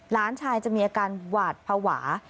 หลานชายจะมีอาการหวาดภาวะ